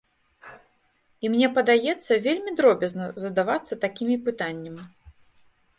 І мне падаецца, вельмі дробязна задавацца такімі пытаннем.